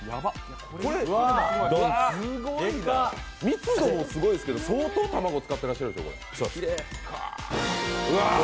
密度もすごいですけど相当卵使ってらっしゃるという。